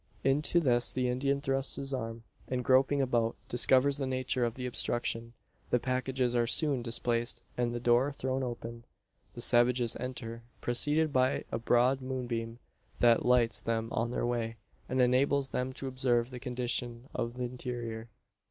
Into this the Indian thrusts his arm; and groping about, discovers the nature of the obstruction. The packages are soon displaced, and the door thrown open. The savages enter, preceded by a broad moonbeam, that lights them on their way, and enables them to observe the condition of the interior.